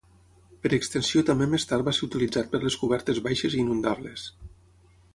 Per extensió també més tard va ser utilitzat per les cobertes baixes i inundables.